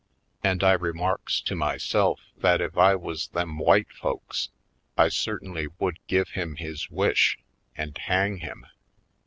And I remarks to myself that if I was them white folks I certainly would give him his wish and hang him!